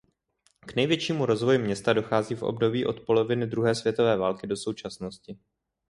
K největšímu rozvoji města dochází v období od poloviny druhé světové války do současnosti.